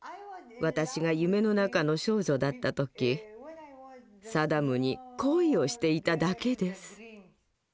私が夢の中の少女だった時サダムに恋をしていただけです。